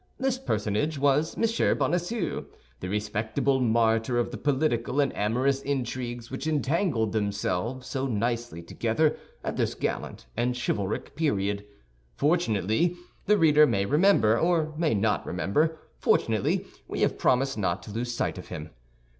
This personage was M. Bonacieux, the respectable martyr of the political and amorous intrigues which entangled themselves so nicely together at this gallant and chivalric period. Fortunately, the reader may remember, or may not remember—fortunately we have promised not to lose sight of him.